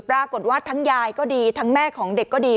ปรากฏว่าทั้งยายก็ดีทั้งแม่ของเด็กก็ดี